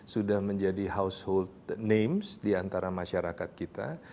sudah menjadi household names di antara masyarakat kita